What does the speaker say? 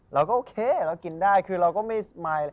เราก็โอเคเรากินได้คือเราก็ไม่มายอะไร